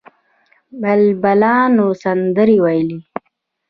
بلبلانو سندرې ویلې.